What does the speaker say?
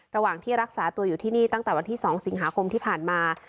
ระหว่างที่รักษาตัวอยู่ที่นี่ตั้งแต่วันที่๒สิงหาคมที่ผ่านมา